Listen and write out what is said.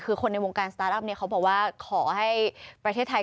คือคนในวงการสตาร์ทอัพเนี่ยเขาบอกว่าขอให้ประเทศไทย